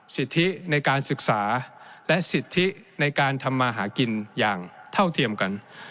สิทธิในการศึกษาและสิทธิในการทำมาหากินอย่างเท่าเทียมกัน